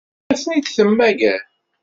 Ad ten-id-temmager?